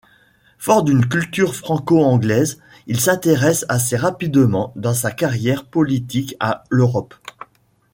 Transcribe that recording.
Fort d'une culture franco-anglaise, il s'intéresse assez rapidement dans sa carrière politique à l'Europe.